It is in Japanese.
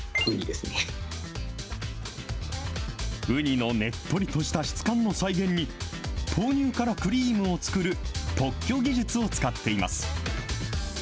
ウニのねっとりとした質感の再現に、豆乳からクリームを作る特許技術を使っています。